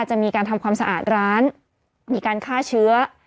จะมีการทำความสะอาดร้านมีการฆ่าเชื้อ